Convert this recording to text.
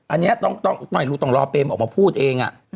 อันนี้ต้องรอเปมออกมาพูดเอง